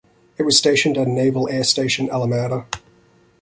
It was stationed at Naval Air Station Alameda.